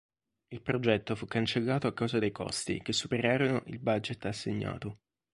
Il progetto fu cancellato a causa dei costi che superarono il budget assegnato.